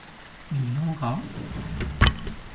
你很好